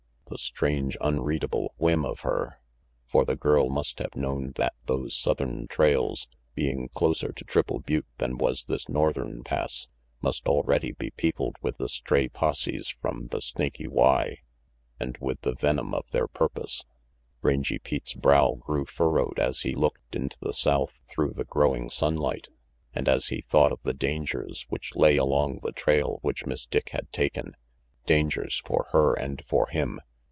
The strange, unreadable whim of her! For the girl must have known that those southern trails, being closer to Triple Butte than was this northern pass, must already be peopled with the stray posses from the Snaky Y and with the venom of their purpose. Rangy Pete's brow grew furrowed as he looked into the south through the growing sunlight, and as he thought of the dangers which lay along the trail which Miss Dick had taken, dangers for her and for him.